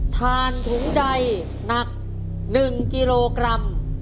ทานถุงใดหนัก๑กิโลกรัม